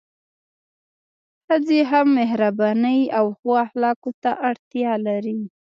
ښځي هم مهربانۍ او ښو اخلاقو ته اړتیا لري